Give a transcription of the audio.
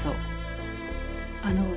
あの。